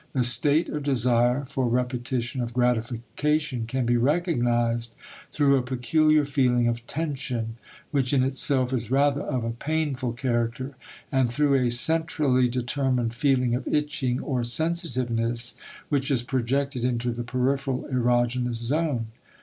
The state of desire for repetition of gratification can be recognized through a peculiar feeling of tension which in itself is rather of a painful character, and through a centrally determined feeling of itching or sensitiveness which is projected into the peripheral erogenous zone.